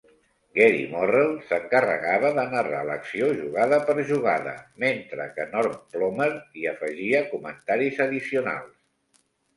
Gary Morrel s'encarregava de narrar l'acció jugada per jugada, mentre que Norm Plummer hi afegia comentaris addicionals.